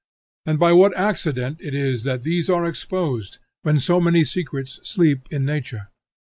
and by what accident it is that these are exposed, when so many secrets sleep in nature!